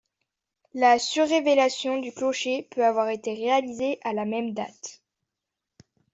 La surélévation du clocher peut avoir été réalisé à la même date.